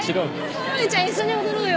孔明ちゃん一緒に踊ろうよ。